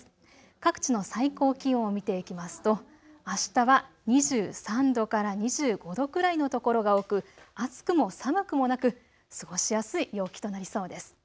各地の最高気温を見ていきますとあしたは２３度から２５度くらいの所が多く、暑くも寒くもなく過ごしやすい陽気となりそうです。